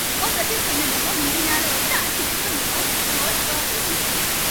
კომპლექსის მშენებლობა მიმდინარეობდა არქიტექტორ ნიკოლოზ ეფიმოვის პროექტის მიხედვით.